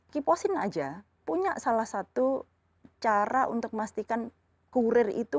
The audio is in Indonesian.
kiposin aja punya salah satu cara untuk memastikan kurir itu